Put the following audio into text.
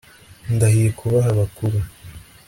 ndahiye kubaha abakuru